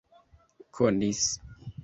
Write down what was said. konis